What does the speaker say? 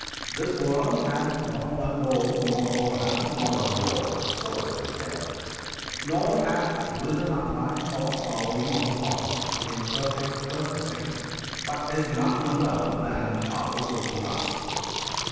"This world Hath not a Law, nor Order, nor a Lord," So say they: "nor hath risen up by Cause Following on Cause, in perfect purposing, But is none other than a House of Lust."